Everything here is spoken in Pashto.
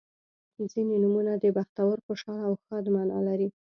• ځینې نومونه د بختور، خوشحال او ښاد معنا لري.